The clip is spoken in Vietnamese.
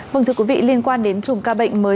vâng thưa quý vị liên quan đến chùm ca bệnh mới